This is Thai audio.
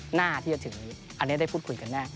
หน้าที่จะถึงนี้อันนี้ได้พูดคุยกันแน่